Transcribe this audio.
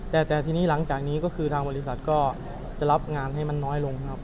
แต่ทีนี้หลังจากนี้ก็คือทางบริษัทก็จะรับงานให้มันน้อยลงครับ